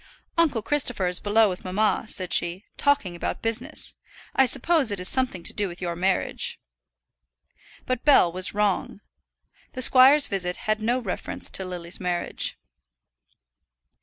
"Uncle Christopher is below with mamma," said she, "talking about business. I suppose it is something to do with your marriage." But Bell was wrong. The squire's visit had no reference to Lily's marriage.